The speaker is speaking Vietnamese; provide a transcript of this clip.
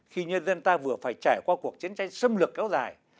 khi nhân dân ta vừa phải trải qua cuộc chiến tranh xâm lược kéo dài